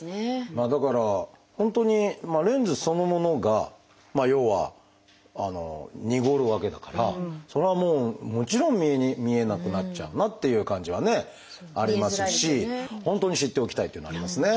まあだから本当にレンズそのものが要はにごるわけだからそれはもうもちろん見えなくなっちゃうなっていう感じはねありますし本当に知っておきたいというのはありますね。